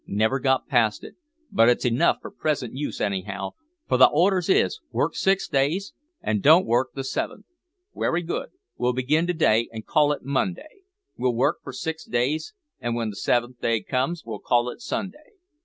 Never got past it. But it's enough for present use anyhow, for the orders is, work six days an' don't work the seventh. Werry good, we'll begin to day an' call it Monday; we'll work for six days, an' w'en the seventh day comes we'll call it Sunday.